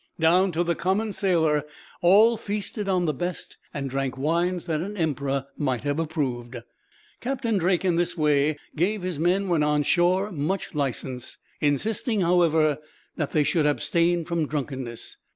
Down to the common sailor, all feasted on the best, and drank wines that an emperor might have approved. Captain Drake, in this way, gave his men when on shore much license; insisting, however, that they should abstain from drunkenness.